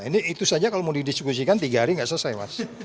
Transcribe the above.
ini itu saja kalau mau didiskusikan tiga hari nggak selesai mas